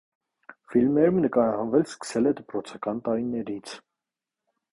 Ֆիլմերում նկարահանվել սկսել է դպրոցական տարիներից։